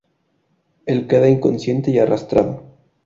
Él queda inconsciente y arrastrado.